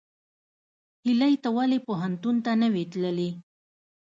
هیلۍ ته ولې پوهنتون ته نه وې تللې؟